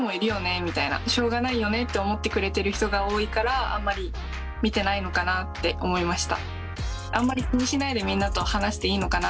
みたいな「しょうがないよね」と思ってくれてる人が多いからあんまり見てないのかなって思いました。